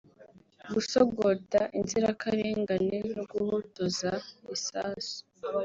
gusogota inzirakarengane no guhotoza isasu